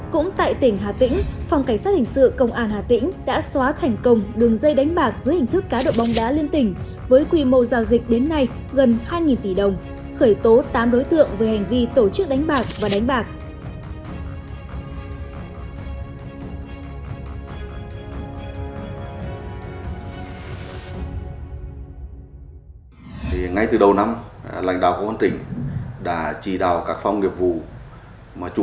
cũng tại tỉnh hà tĩnh phòng cảnh sát hình sự công an hà tĩnh đã xóa thành công đường dây đánh bạc dưới hình thức cá độ bóng đá liên tỉnh với quy mô giao dịch đến nay gần hai tỷ đồng khởi tố tám đối tượng về hành vi tổ chức đánh bạc và đánh bạc